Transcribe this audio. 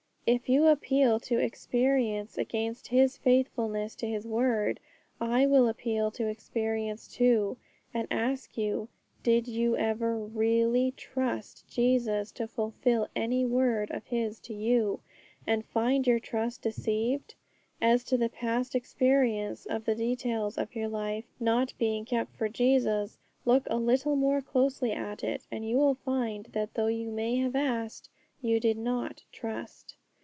If you appeal to experience against His faithfulness to His word, I will appeal to experience too, and ask you, did you ever really trust Jesus to fulfil any word of His to you, and find your trust deceived? As to the past experience of the details of your life not being kept for Jesus, look a little more closely at it, and you will find that though you may have asked, you did not trust.